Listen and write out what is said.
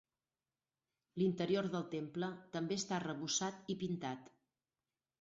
L'interior del temple també està arrebossat i pintat.